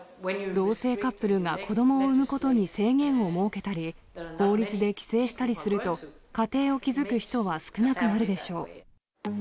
同性カップルが子どもを産むことに制限を設けたり、法律で規制したりすると、家庭を築く人は少なくなるでしょう。